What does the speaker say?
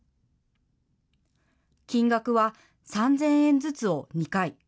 金額は３０００円ずつを２回。